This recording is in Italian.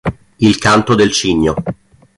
Il canto del cigno